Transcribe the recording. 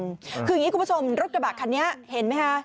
คืออย่างนี้คุณผู้ชมรถกระบะคันนี้เห็นไหมคะ